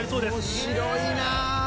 面白いな。